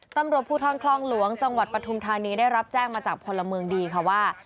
ตำรวจภูทรคลองหลวงจังหวัดปฐุมธานีได้รับแจ้งมาจากพลเมืองดีค่ะว่า